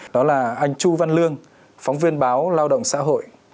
đó là anh chu văn lương phóng viên báo lao động xã hội